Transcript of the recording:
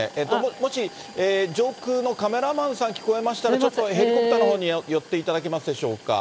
もし上空のカメラマンさん、聞こえましたら、ちょっとヘリコプターのほうに寄っていただけますでしょうか。